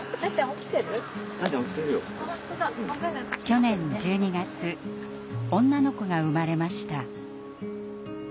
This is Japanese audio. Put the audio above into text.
去年１２月女の子が産まれました。